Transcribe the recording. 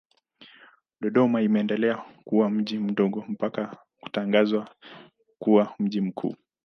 Dodoma imeendelea kuwa mji mdogo mpaka kutangazwa kuwa mji mkuu.